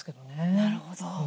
なるほど。